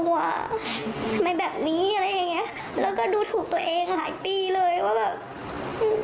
ว่าทำไมแบบนี้อะไรอย่างเงี้ยแล้วก็ดูถูกตัวเองหลายปีเลยว่าแบบ